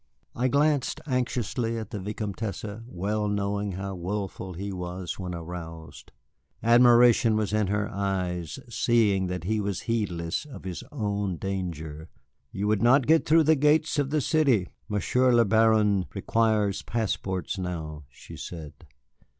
I glanced anxiously at the Vicomtesse, well knowing how wilful he was when aroused. Admiration was in her eyes, seeing that he was heedless of his own danger. "You would not get through the gates of the city. Monsieur le Baron requires passports now," she said.